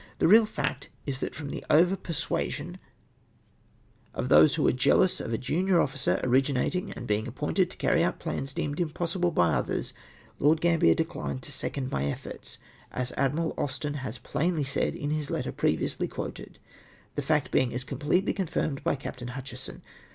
The real fact is, that from over persuasion of those who were jealous of a junior officer originating and being ap pointed to carry out plans deemed impossible by others. Lord Gambler dechned to second my efforts, as Admiral Austen has plainly said in his letter previously cjuoted, the fact being as completely confirmed by Captain Hutchinson.